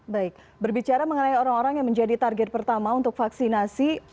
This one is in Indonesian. baik berbicara mengenai orang orang yang menjadi target pertama untuk vaksinasi